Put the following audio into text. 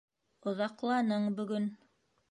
-Оҙаҡланың бөгөн.